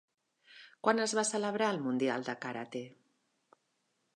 Quan es va celebrar el Mundial de Karate?